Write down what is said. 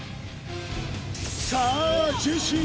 さあジェシー